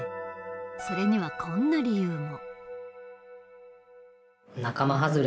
それにはこんな理由も。